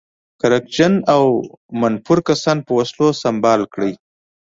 کرکجن او منفور کسان په وسلو سمبال کړي.